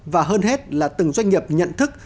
và hơn hết là từng doanh nghiệp nhận thức